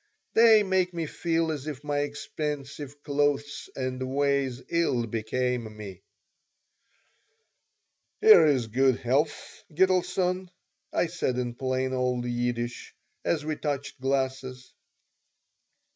They make me feel as if my expensive clothes and ways ill became me "Here is good health, Gitelson," I said in plain old Yiddish, as we touched glasses.